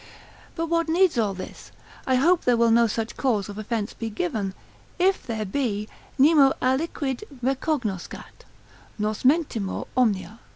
But what needs all this? I hope there will no such cause of offence be given; if there be, Nemo aliquid recognoscat, nos mentimur omnia.